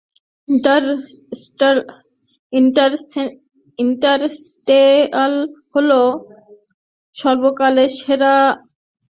Interstellar হলো সর্বকালের সেরা স্পেস সাইন্স মুভি।